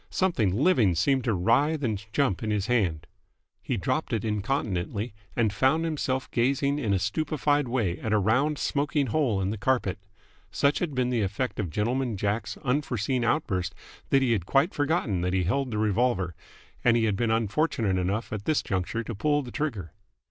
Something living seemed to writhe and jump in his hand. He dropped it incontinently, and found himself gazing in a stupefied way at a round, smoking hole in the carpet. Such had been the effect of Gentleman Jack's unforeseen outburst that he had quite forgotten that he held the revolver, and he had been unfortunate enough at this juncture to pull the trigger.